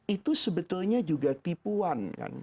itu sebetulnya juga tipuan